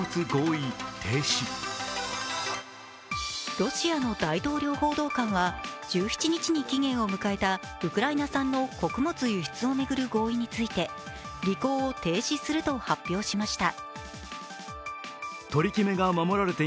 ロシアの大統領報道官は１７日に期限を迎えたウクライナ産の穀物輸出を巡る合意について履行を停止すると発表しました。